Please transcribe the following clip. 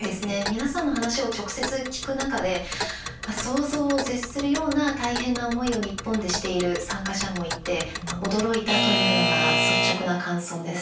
皆さんの話を直接、聞く中で想像を絶するような大変な思いを日本でしている参加者もいて驚いたというのが率直な感想です。